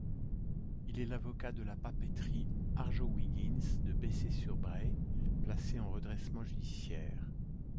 Il est l'avocat de la papeterie Arjowiggins de Bessé-sur-Braye, placée en redressement judiciaire.